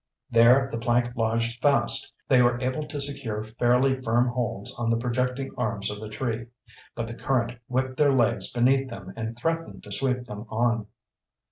There the plank lodged fast. They were able to secure fairly firm holds on the projecting arms of the tree, but the current whipped their legs beneath them and threatened to sweep them on.